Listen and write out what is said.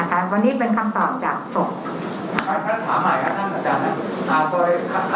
นะคะวันนี้เป็นคำตอบจากศพครับครับถามใหม่อาทิตย์อาจารย์ครับ